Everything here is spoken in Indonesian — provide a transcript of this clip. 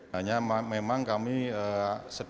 hanya memang kami sedang memiliki fasilitas yang diperlukan